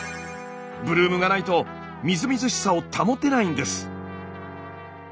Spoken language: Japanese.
ブルームがないとみずみずしさを保てないんです。